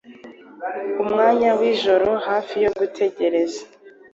Umwanya wijoro hafi yo gutegereza